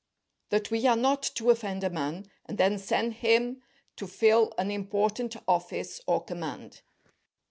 —_That we are not to offend a Man, and then send him to fill an important Office or Command.